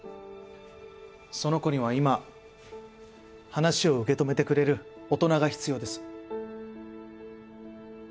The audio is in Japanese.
その子には今話を受け止めてくれる大人が必要です。